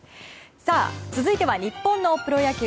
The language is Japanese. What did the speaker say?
さあ、続いては日本のプロ野球。